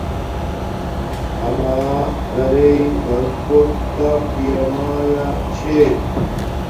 آما گھریݵ برکوت تا پیامایا چھے